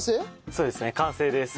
そうですね完成です。